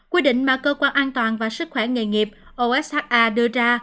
quy định mà cơ quan an toàn và sức khỏe nghề nghiệp osa đưa ra